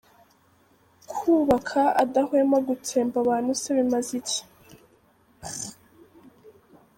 Kwubaka adahwema gutsemba abantu se bimaze iki?